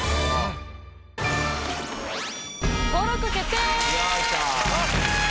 登録決定！